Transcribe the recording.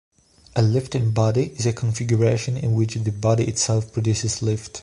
A lifting body is a configuration in which the body itself produces lift.